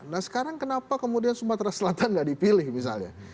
nah sekarang kenapa kemudian sumatera selatan nggak dipilih misalnya